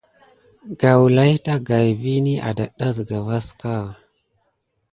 Gawla ɗagaï vini adata sika vaska.